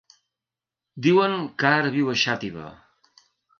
Diuen que ara viu a Xàtiva.